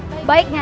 dan ada saatnya